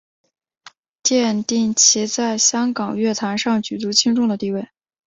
奠定其在香港乐坛上举足轻重的地位。